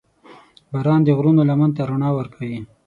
• باران د غرونو لمن ته رڼا ورکوي.